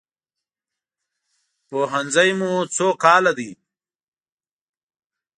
پوهنځی مو څو کاله ده؟